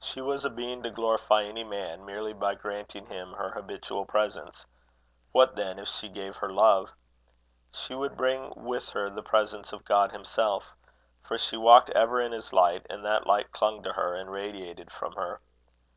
She was a being to glorify any man merely by granting him her habitual presence: what, then, if she gave her love! She would bring with her the presence of God himself, for she walked ever in his light, and that light clung to her and radiated from her.